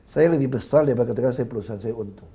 saya lebih besar daripada perusahaan saya untung